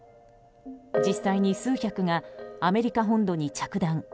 実際に数百がアメリカ本土に着弾。